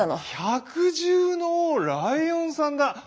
百獣の王ライオンさんだ！